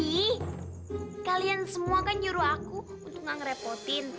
ini kalian semua kan nyuruh aku untuk gak ngerepotin